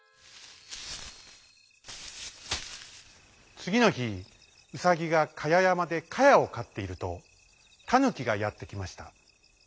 つぎのひウサギがかややまでかやをかっているとタヌキがやってきました。